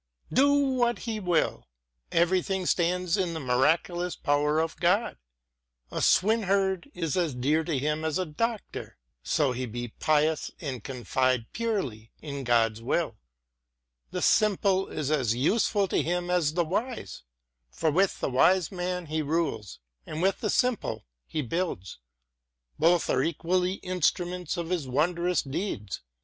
Do what he will, everything stands in the mira culous power of God. A swineherd is as dear to him as a Doctor, so he be pious and confide purely in Gods will. The simple is as useful to him as the wise. For with the wise man he rules, and with the simple he builds. Both are equally instruments of his wondrous deeds.